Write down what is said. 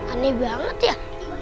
aneh banget ya